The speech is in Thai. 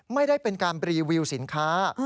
ไม่ได้เป็นการรีวิวสินค้า